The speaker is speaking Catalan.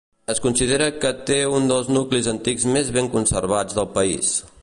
Es considera que té un dels nuclis antics més ben conservats del país.